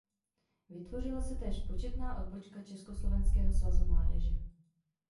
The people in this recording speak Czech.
Vytvořila se též početná odbočka Československého svazu mládeže.